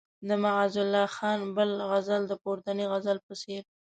د معزالله خان بل غزل د پورتني غزل په څېر.